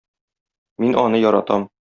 Мин аны яратам.